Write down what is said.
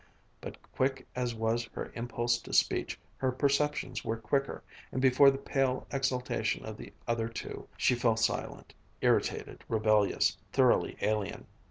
But quick as was her impulse to speech, her perceptions were quicker, and before the pale exaltation of the other two, she fell silent, irritated, rebellious, thoroughly alien.